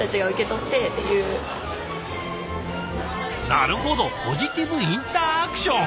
なるほどポジティブインターアクション。